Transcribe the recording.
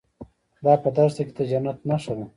دا په دښته کې د جنت نښه ده.